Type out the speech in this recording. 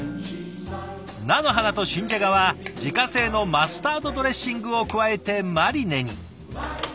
菜の花と新じゃがは自家製のマスタードドレッシングを加えてマリネに。